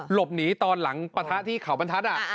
หลบหนีตอนหลังประทะขวบันทัศน์